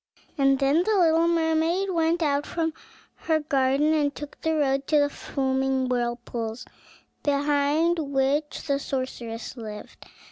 And then the little mermaid went out from her garden, and took the road to the foaming whirlpools, behind which the sorceress lived.